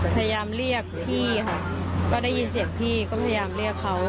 พยายามเรียกพี่ค่ะก็ได้ยินเสียงพี่ก็พยายามเรียกเขา